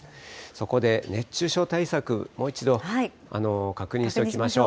そこで熱中症対策、もう一度確認しておきましょう。